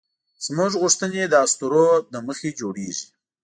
زموږ غوښتنې د اسطورو له مخې جوړېږي.